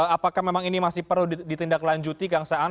apakah memang ini masih perlu ditindaklanjuti kang saan